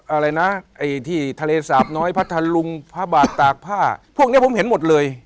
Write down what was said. อะไรนะไอ้ที่ทะเลสาบน้อยพัทธลุงพระบาทตากผ้าพวกนี้ผมเห็นหมดเลย